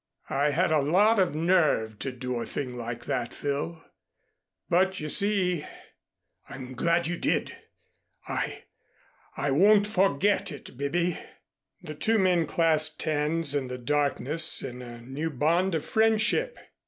"I had a lot of nerve to do a thing like that, Phil, but you see " "I'm glad you did. I I won't forget it, Bibby." The two men clasped hands in the darkness in a new bond of friendship.